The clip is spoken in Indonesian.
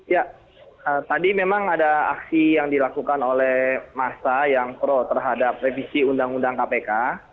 ya tadi memang ada aksi yang dilakukan oleh massa yang pro terhadap revisi undang undang kpk